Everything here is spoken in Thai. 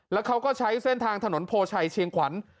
แล้วเขาก็ใช้เส้นทางถนนโพชัยเชียงขวัญ